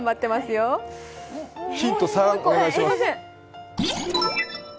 ヒント３、お願いします。